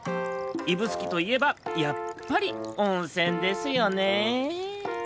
指宿といえばやっぱりおんせんですよね。